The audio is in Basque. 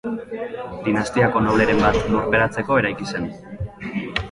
Dinastiako nobleren bat lurperatzeko eraiki zen.